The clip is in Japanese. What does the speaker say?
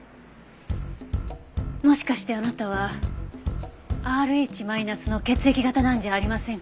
もしかしてあなたはＲｈマイナスの血液型なんじゃありませんか？